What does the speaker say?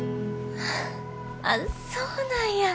あっそうなんや。